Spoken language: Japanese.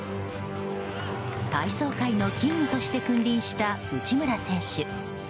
体操界のキングとして君臨した内村選手。